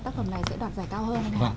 tác phẩm này sẽ đoạt giải cao hơn không ạ